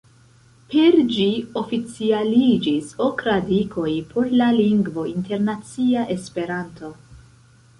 Per ĝi oficialiĝis ok radikoj por la lingvo internacia Esperanto.